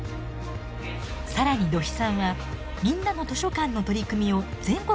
更に土肥さんはみんなの図書館の取り組みを全国へ発信しています。